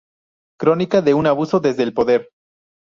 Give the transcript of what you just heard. Crónica de un abuso desde el poder.